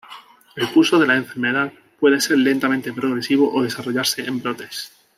El curso de la enfermedad puede ser lentamente progresivo o desarrollarse en brotes.